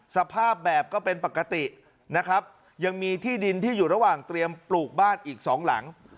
สภาพแบบก็เป็นปกตินะครับยังมีที่ดินที่อยู่ระหว่างเตรียมปลูกบ้านอีกสองหลัง